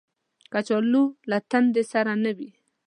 کچالو له تندې سره نه وي